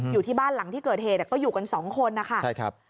อยู่ที่บ้านหลังที่เกิดเหตุแต่ก็อยู่กันสองคนนะคะ